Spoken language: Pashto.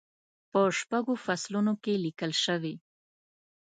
په شپږو فصلونو کې لیکل شوې.